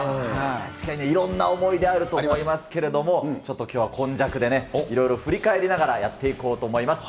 確かにね、いろんな思い出あると思いますけれども、ちょっときょうは今昔でね、いろいろ振り返りながら、やっていこうと思います。